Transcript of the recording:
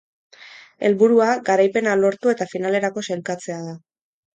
Helburua garaipena lortu eta finalerako sailkatzea da.